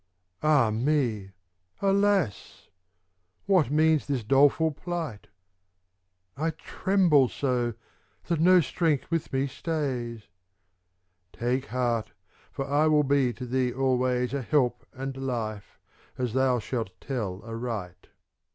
"Ah me! Alas!" — "What means this doleful plight ?"— s "I tremble so, that no strength with me stays." " Take heart, for I will be to thee always A help and life, as thou shalt tell aright."